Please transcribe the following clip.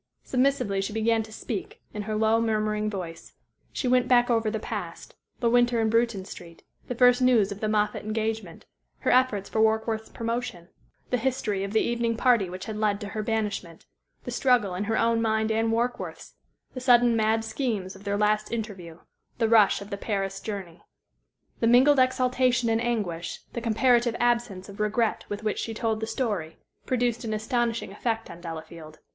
Submissively she began to speak, in her low, murmuring voice; she went back over the past the winter in Bruton Street; the first news of the Moffatt engagement; her efforts for Warkworth's promotion; the history of the evening party which had led to her banishment; the struggle in her own mind and Warkworth's; the sudden mad schemes of their last interview; the rush of the Paris journey. The mingled exaltation and anguish, the comparative absence of regret with which she told the story, produced an astonishing effect on Delafield.